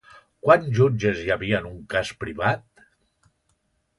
Quants jutges hi havia en un cas privat?